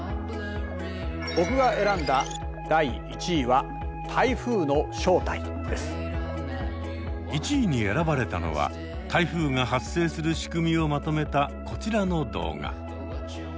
僕が選んだ第１位は１位に選ばれたのは台風が発生する仕組みをまとめたこちらの動画。